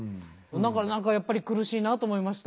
何かやっぱり苦しいなと思いました。